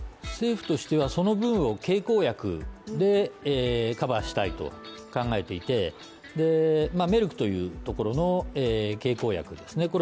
政府としてはその分を経口薬でカバーしたいと考えていてメルクというところの、経口薬ですね